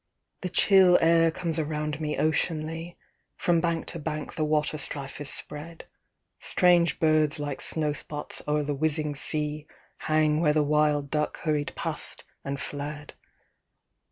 The chill air comes around me oceanly, From bank to bank the waterstrife is spread; Strange birds like snowspots oer the whizzing sea Hang where the wild duck hurried past and fled.